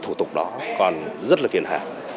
thủ tục đó còn rất là phiền hạ